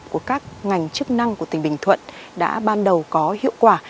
phối hợp của các ngành chức năng của tỉnh bình thuận đã ban đầu có hiệu quả